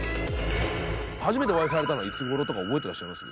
初めてお会いされたのはいつ頃とか覚えてらっしゃいます？